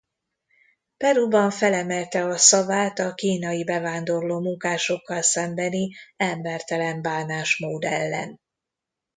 Peruban felemelte a szavát a kínai bevándorló munkásokkal szembeni embertelen bánásmód ellen.